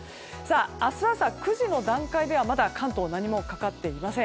明日朝９時の段階ではまだ関東は何もかかっていません。